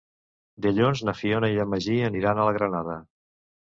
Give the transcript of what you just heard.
Dilluns na Fiona i en Magí aniran a la Granada.